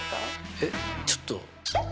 えっちょっと。